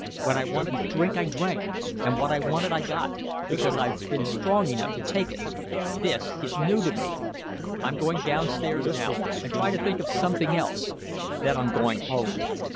When I wanted to drink, I drank, and what I wanted, I got, because I've been strong enough to take it. This is new to me. I'm going down stairs now and try to think of something else then I'm going home."